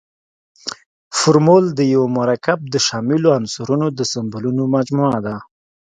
فورمول د یوه مرکب د شاملو عنصرونو د سمبولونو مجموعه ده.